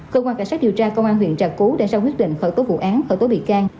cơ quan cảnh sát điều tra công an huyện trà cú đã ra quyết định khởi tố vụ án khởi tố bị can